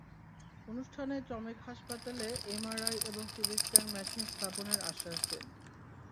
অনুষ্ঠানে চমেক হাসপাতালে এমআরআই এবং সিটি স্ক্যান মেশিন স্থাপনের আশ্বাস দেন।